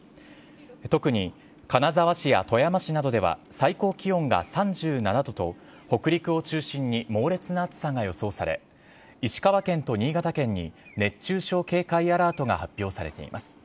特に金沢市や富山市などでは、最高気温が３７度と、北陸を中心に猛烈な暑さが予想され、石川県と新潟県に熱中症警戒アラートが発表されています。